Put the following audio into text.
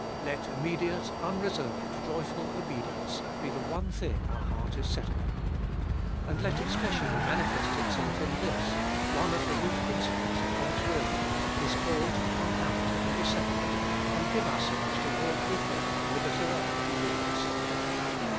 Let immediate, unreserved, joyful obedience be the one thing our heart is set upon. And let it specially manifest itself in this, one of the root Cbe Dollcst of Btl 439 principles of God's will, His call to come out and be separate, and give ourselves to walk with Him whithersoever He leads.